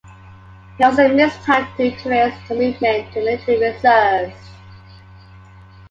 He also missed time due to his commitment to the military reserves.